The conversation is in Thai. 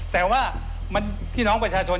แต่ว่ามันพี่น้องประชาชน